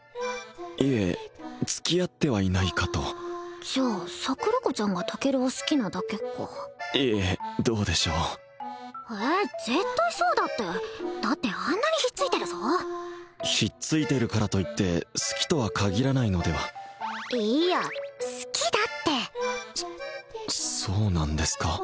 いえ付き合ってはいないかとじゃあ桜子ちゃんがタケルを好きなだけかいえどうでしょうえ絶対そうだってだってあんなにひっついてるぞひっついてるからといって好きとは限らないのではいや好きだってそそうなんですか